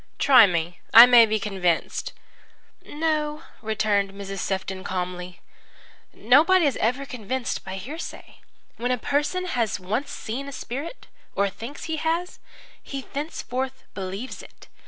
Try me; I may be convinced." "No," returned Mrs. Sefton calmly. "Nobody ever is convinced by hearsay. When a person has once seen a spirit or thinks he has he thenceforth believes it.